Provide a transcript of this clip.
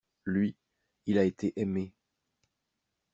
Lui, il a été aimé.